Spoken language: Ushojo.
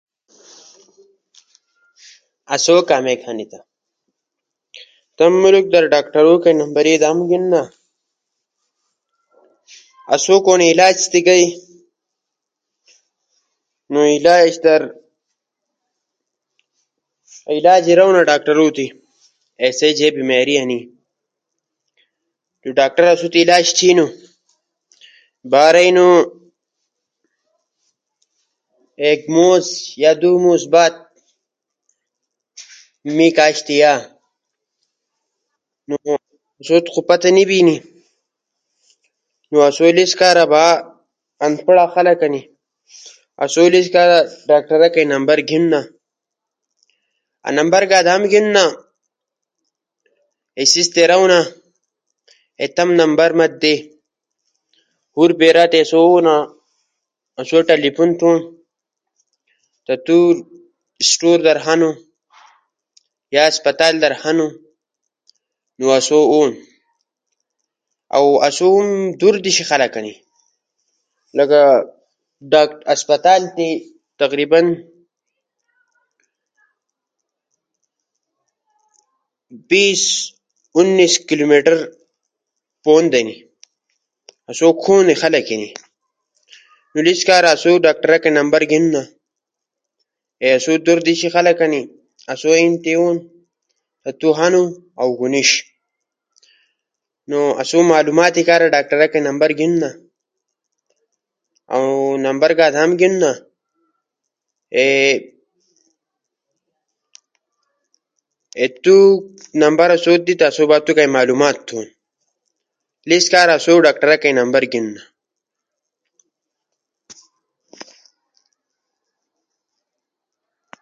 آسئی کامیک ہنو تمو ملک در ڈاکٹرے کا نمبر ادامو گھینونا آسو کونی علاج تی گئی نو ڈاکٹرو تی علاج رونا۔ آسئی جے بیماری ہنی تی ڈاکٹر آسو تی علاج تھینو۔ با رئینو ایک موس یا دو موس بعد می کأشتے یا۔ موݜو خو پتہ نی بینی۔ نو آسو لیس کارا با انپڑا خلق ہنی آسو لیس کارا ڈاکٹرا کئی نمبر گھیننا۔ نمبرگا آدامو گھیننا کے سیس تی رونا اے تمو نمبر ما تی دے۔ ہور پیرا تی آسو بونا تو تی ٹیلیفون تھونو جے تو سٹور یا کلنک در ہنو یا ہسپتال در ہنو نو آسو الو۔ اؤ اسو دور دیشا کئی خلق ہنی۔ لکہ ہسپتال در تقریباً بیس انیس کلومیٹر پون ہنی۔ آسو کھنو خلق اینی۔ انیس کارا آسو تی ڈاکٹرا کئی نمبر گھیننا کے آسو دور دیشا کئی خلق ہنی آسو فون تھینو کے تو ہنو اؤ کہ نیِش۔ نو آسو معلومات کارا ڈاکٹرا کئی نمبر گھیننا۔ اؤ نمبر گا ادامو گھیننا اے نمبر آسو کئی تھو تا اسو تو تا معلومات تھون۔ نو انیس کارا آسو تی ڈاکٹرا تی نمبر لالو ضروری ہنو۔